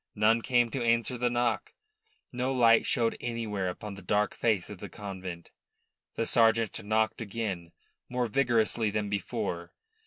None came to answer the knock; no light showed anywhere upon the dark face of the convent. The sergeant knocked again, more vigorously than before.